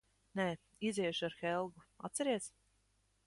Nē. Iziešu ar Helgu, atceries?